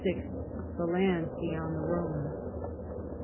the lands beyond the Rhone.